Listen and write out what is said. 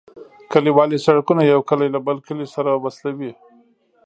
کليوالي سرکونه یو کلی له بل کلي سره وصلوي